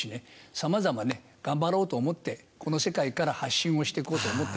さまざまね頑張ろうと思ってこの世界から発信をしてこうと思って。